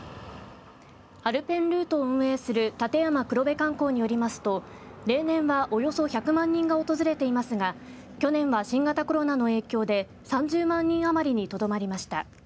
アルペンルートを運営する立山黒部貫光によりますと例年は、およそ１００万人が訪れていますが去年は新型コロナの影響で３０万人余りにとどまりました。